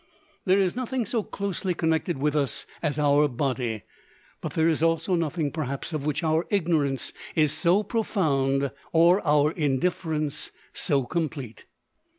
There is nothing so closely connected with us as our body, but there is also nothing perhaps of which our ignorance is so profound, or our indifference so complete.